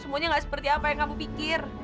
semuanya gak seperti apa yang kamu pikir